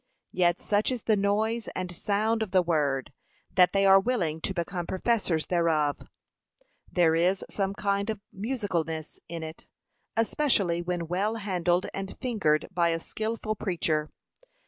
Yet such is the noise and sound of the word, that they are willing to become professors thereof; there is some kind of musicalness in it, especially when well handled and fingered by a skilful preacher.